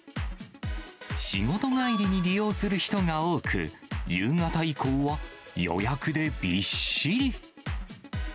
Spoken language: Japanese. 仕事帰りに利用する人が多く、夕方以降は予約でびっしり。